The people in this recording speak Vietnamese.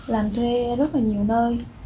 làm thuê rất là nhiều nơi